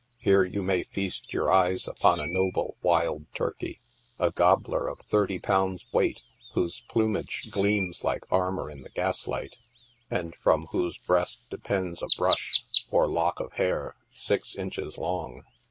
Here you may feast your eyes upon a noble wild turkey — a gobbler of thirty pounds weight, whose plumage gleams like armor in the gaslight, aud from whose breast depends a " brush," or lock of hair, six inches long.